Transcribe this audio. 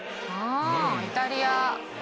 あイタリア。